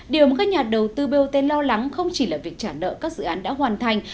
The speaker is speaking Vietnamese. điều mà nhà đầu tư bot lo lắng không chỉ là việc trả nợ các dự án đã hoàn thành